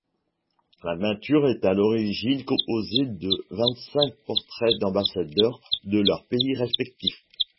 La peinture est à l'origine composée de vingt-cinq portraits d'ambassadeurs de leur pays respectif.